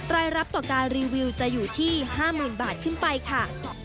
รายรับต่อการรีวิวจะอยู่ที่๕๐๐๐บาทขึ้นไปค่ะ